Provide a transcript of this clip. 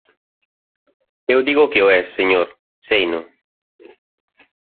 Eu digo que o es, señor, seino.